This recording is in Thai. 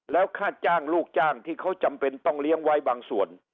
แล้วค่าจ้างลูกจ้างที่เขาจำเป็นต้องเลี้ยงไว้บางส่วน